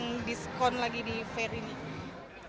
jadi ini memang bagian dari perang yang paling menarik